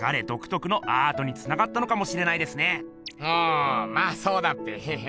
まあそうだっぺ。へへ。